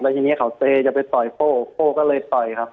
ทีนี้เขาเตยจะไปต่อยโก้โก้ก็เลยต่อยครับ